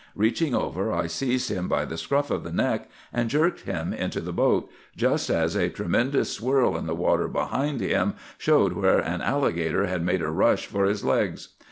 Reaching over, I seized him by the scruff of the neck, and jerked him into the boat, just as a tremendous swirl in the water behind him showed where an alligator had made a rush for his legs.